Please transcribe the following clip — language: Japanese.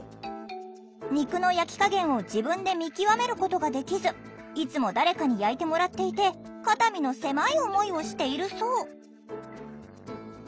肉の焼き加減を自分で見極めることができずいつも誰かに焼いてもらっていて肩身の狭い思いをしているそう。